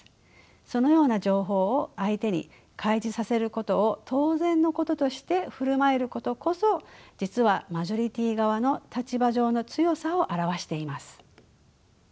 そのような情報を相手に開示させることを当然のこととして振る舞えることこそ実はマジョリティー側の立場上の強さを表しています。